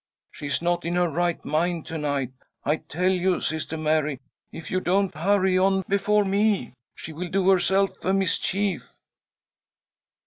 She is not in her right mind to night. I tell you, Sister Mary, if you don't hurry on before me she will do herself a mischief."